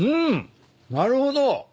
なるほど。